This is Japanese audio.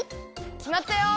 きまったよ！